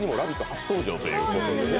初登場ということで。